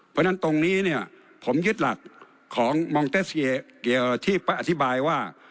เพราะฉะนั้นตรงนี้ผมยึดหลักของมองเตสเกียร์ที่อธิบายว่า